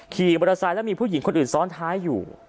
ขี่มอเตอร์ไซค์แล้วมีผู้หญิงคนอื่นซ้อนท้ายอยู่